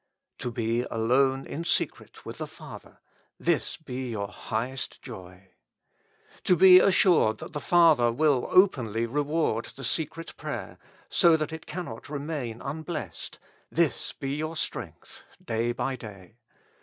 To be alone in secret with the Father ; this be your highest joy. To be assured that the Father will openly reward the secret prayer, so that it cannot remain unblessed ; this be your strength day by day.